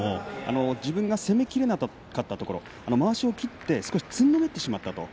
自分が攻めきれなかったところまわしを切ってつんのめってしまったと。